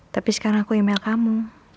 tapi sekarang aku email kamu